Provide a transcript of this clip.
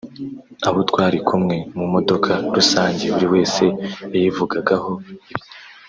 Abo twari kumwe mu modoka rusange buri wese yayivugagaho ibye